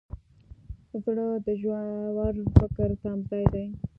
زړه د ژور فکر تمځای دی.